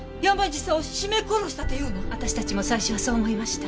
私たちも最初はそう思いました。